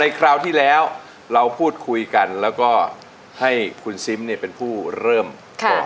คราวที่แล้วเราพูดคุยกันแล้วก็ให้คุณซิมเนี่ยเป็นผู้เริ่มบอก